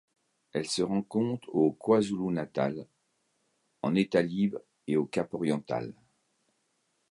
Elle se rencontre au KwaZulu-Natal, en État-Libre et au Cap-Oriental.